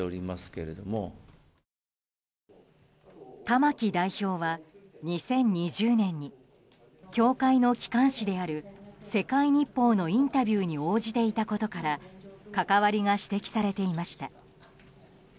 玉木代表は２０２０年に教会の機関紙である世界日報のインタビューに応じていたことから関わりが指摘されていました。